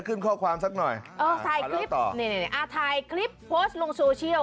เออถ่ายคลิปโพสต์ลงโซเชียล